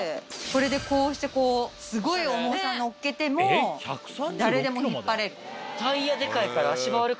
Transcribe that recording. これでこうしてこうすごい重さのっけても誰でも引っ張れる。